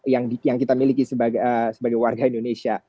yang kita miliki sebagai warga indonesia